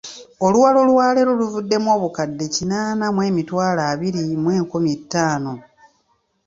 Oluwalo lwaleero luvuddemu obukadde kinaana mu emitwalo abiri mu enkumi ttaano.